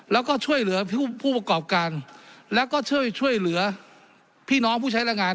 แล้วก็ช่วยเหลือผู้ประกอบการแล้วก็ช่วยช่วยเหลือพี่น้องผู้ใช้แรงงาน